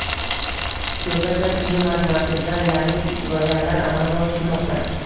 “Sho‘rtan gaz-kimyo majmuasi”da yangi loyihalar amalga oshirilmoqda